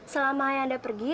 selama anda pergi